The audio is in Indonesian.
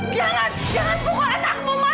jangan jangan pukul anakmu bu